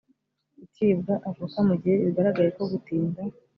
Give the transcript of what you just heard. icibwa avoka mu gihe bigaragaye ko gutinda